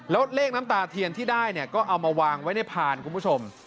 แล้วเลขน้ำตาเทียนที่ได้เนี่ยก็เอามาวางไว้ในพานคุณผู้ชม